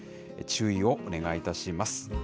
注意をお願いいたします。